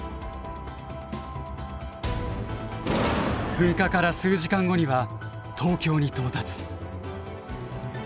噴火から数時間後には東京に到達。